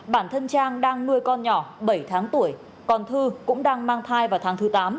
bản thân trang đang nuôi con nhỏ bảy tháng tuổi còn thư cũng đang mang thai vào tháng thứ tám